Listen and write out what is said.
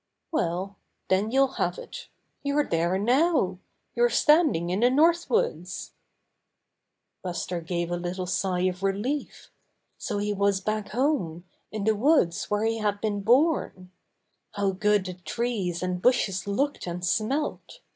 "Well, then you'll have it. You're there now! You're standing in the North Woods !" Buster gave a little sigh of relief. So he was back home, in the woods where had been born ! How good the trees and bushes looked and smelt!